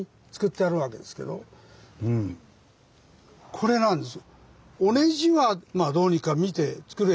これなんです。